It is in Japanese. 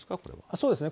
そうですね。